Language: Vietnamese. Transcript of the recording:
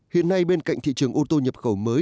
hiện nay bên cạnh thị trường ô tô nhập khẩu mới